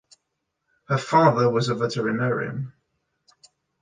Her father was a veterinarian.